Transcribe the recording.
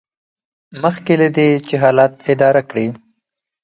مخکې له دې چې حالات اداره کړئ.